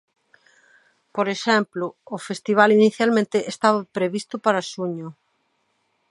Por exemplo, o festival inicialmente estaba previsto para xuño.